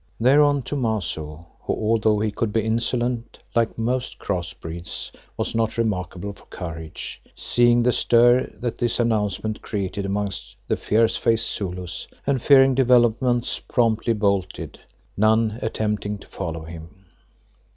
Thereon Thomaso, who although he could be insolent, like most crossbreeds was not remarkable for courage, seeing the stir that this announcement created amongst the fierce faced Zulus and fearing developments, promptly bolted, none attempting to follow him.